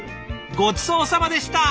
ごちそうさまでした！